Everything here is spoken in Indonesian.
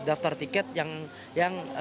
daftar tiket yang